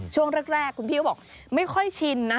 ช่วงแรกคุณพี่ก็บอกไม่ค่อยชินนะ